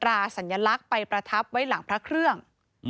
สัญลักษณ์ไปประทับไว้หลังพระเครื่อง